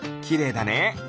きれいだね！